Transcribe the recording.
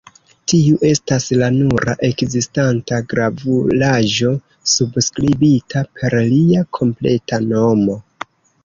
Tiu estas la nura ekzistanta gravuraĵo subskribita per lia kompleta nomo.